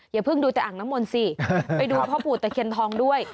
อย่าเพิ่งดูแต่อ่างน้ำมนต์สิไปดูพ่อปู่ตะเคียนทองด้วย